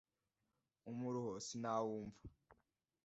umuruho sinawumva